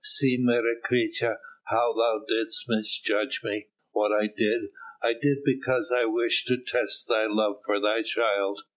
See, Menecreta, how thou didst misjudge me; what I did, I did because I wished to test thy love for thy child.